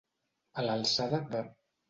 A l'alçada de.